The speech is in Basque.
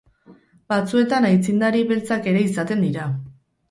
Batzuetan aitzindari beltzak ere izaten dira.